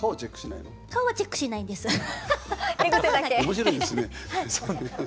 面白いですね。